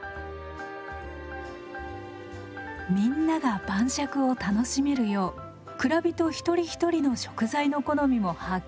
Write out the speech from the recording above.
みんなが晩酌を楽しめるよう蔵人一人一人の食材の好みも把握。